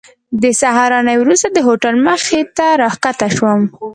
د سهارنۍ وروسته د هوټل مخې ته راښکته شوم.